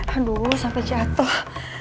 aduh sampai jatuh